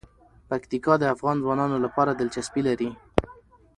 پکتیکا د افغان ځوانانو لپاره دلچسپي لري.